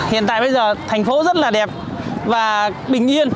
hiện tại bây giờ thành phố rất là đẹp